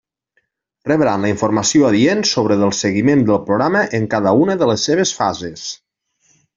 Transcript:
Rebran la informació adient sobre del seguiment del programa en cada una de les seves fases.